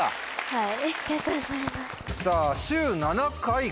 はい！